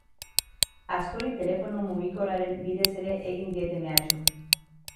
Askori telefono mugikorraren bidez ere egin diete mehatxu.